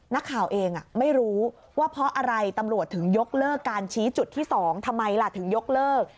นักข่าวเองไม่รู้ว่าเพราะอะไรตำรวจถึงยกเลิกการชี้จุดที่๒ทำไมล่ะถึงยกเลิก